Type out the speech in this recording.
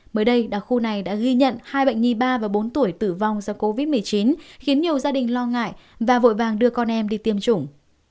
mới đây đặc khu này đã ghi nhận hai bệnh nhi ba và bốn tuổi tử vong do covid một mươi chín khiến nhiều gia đình lo ngại và vội vàng đưa con em đi tiêm chủng